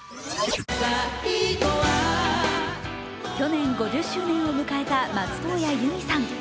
去年５０周年を迎えた松任谷由実さん。